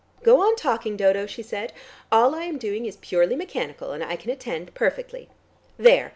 "Go on talking, Dodo," she said. "All I am doing is purely mechanical, and I can attend perfectly. There!